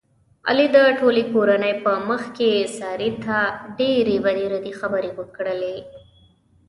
علي د ټولې کورنۍ په مخ کې سارې ته ډېرې بدې ردې خبرې وکړلې.